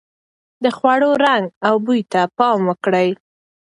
د خوړو رنګ او بوی ته پام وکړئ.